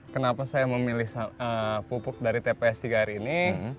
kenapa saya memilih pupuk dari tps tiga r ini